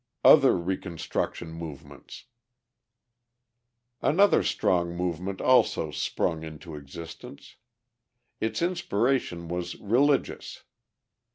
Other Reconstruction Movements Another strong movement also sprung into existence. Its inspiration was religious.